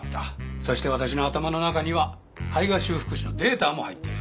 そして私の頭の中には絵画修復師のデータも入っている。